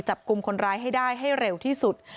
จับกลุ่มคนร้ายให้ได้ให้เร็วที่สุด